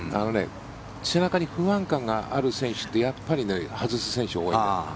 背中に不安感がある選手ってやっぱり外す選手が多い。